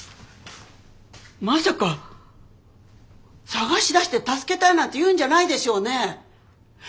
まさか捜し出して助けたいなんて言うんじゃないでしょうね。